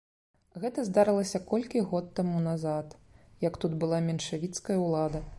Гэта здарылася колькі год таму назад, як тут была меншавіцкая ўлада.